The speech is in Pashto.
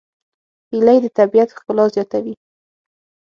هیلۍ د طبیعت ښکلا زیاتوي